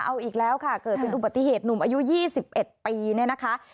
เอาอีกแล้วค่ะเกิดเป็นอุบัติเหตุหนุ่มอายุ๒๑ปีเนี่ยนะคะ